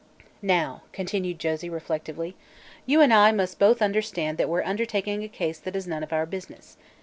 "Now," continued Josie, reflectively, "you and I must both understand that we're undertaking a case that is none of our business.